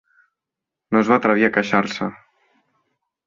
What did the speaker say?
No es va atrevir a queixar-se.